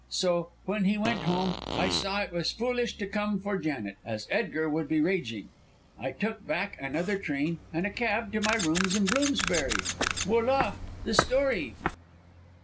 So when he went home I saw it was foolish to come for Janet, as Edgar would be raging. I took back another train, and a cab to my rooms in Bloomsbury. Voila, the story!"